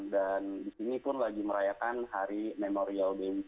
dan di sini pun lagi merayakan hari memorial day weekend